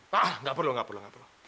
hah nggak perlu nggak perlu